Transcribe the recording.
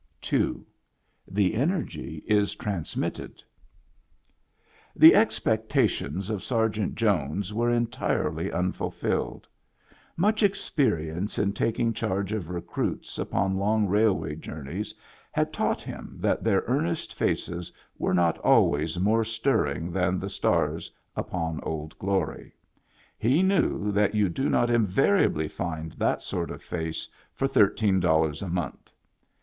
II. The Energy is TRANSMrrrED The expectations of Sergeant Jones were en tirely unfulfilled. Much experience in tiaking charge of recruits upon long railway jpumeys had taught him that their earnest faces were not always more stirring than the stars upon Old Glory ; he knew that you do not invariably find that sort of face for thirteen dollars a month.